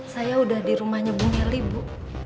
saya udah di rumahnya bu melly bu